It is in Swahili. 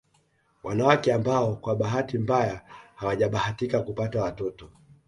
Wanawake ambao kwa bahati mbaya hawajabahatika kupata watoto